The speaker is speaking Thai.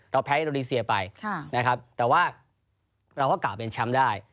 แพ้อินโดนีเซียไปนะครับแต่ว่าเราก็กลับเป็นแชมป์ได้